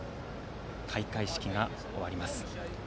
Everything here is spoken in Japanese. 開会式が終わります。